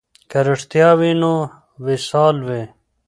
که رښتیا وي نو وصال وي.